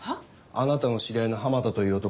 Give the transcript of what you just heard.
あなたの知り合いの浜田という男